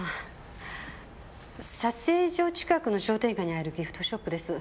撮影所近くの商店街にあるギフトショップです。